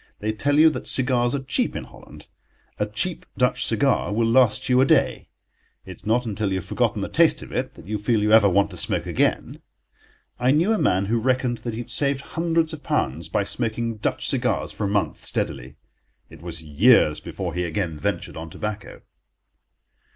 They tell you that cigars are cheap in Holland. A cheap Dutch cigar will last you a day. It is not until you have forgotten the taste of it that you feel you ever want to smoke again. I knew a man who reckoned that he had saved hundreds of pounds by smoking Dutch cigars for a month steadily. It was years before he again ventured on tobacco.